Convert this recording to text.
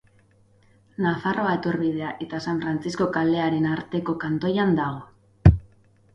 Nafarroa etorbidea eta San Frantzisko kalearen arteko kantoian dago.